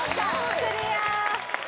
クリア！